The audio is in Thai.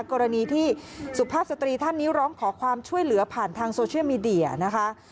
กรณีที่สุภาพสตรีท่านนี้ร้องขอความช่วยเหลือผ่านทางโซเชียลมีเดียนะคะ